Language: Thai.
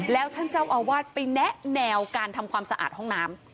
แล้วท่านเจ้าอาวาสไปแนะแนวการทำความสะอาดห้องน้ำ